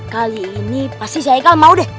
kali ini pasti si aikal mau deh